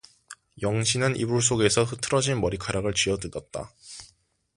영신은 이불 속에서 흐트러진 머리카락을 쥐어뜯었다.